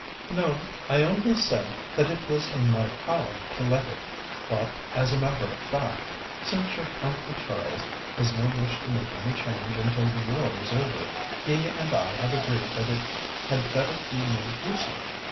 "No. I only said that it was in my power to let it, but as a matter of fact, since your Uncle Charles has no wish to make any change until the war is over, he and I have agreed that it had better be made use of.